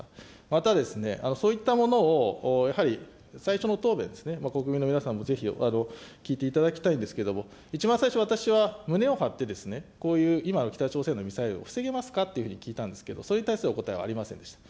またですね、そういったものをやはり、最初の答弁ですね、国民の皆さんもぜひ聞いていただきたいんですけれども、一番最初、私は胸を張って、こういう今の北朝鮮のミサイルを防げますかと聞いたんですけれども、それに対するお答えはありませんでした。